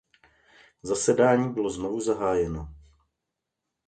Zasedání bylo znovu zahájeno.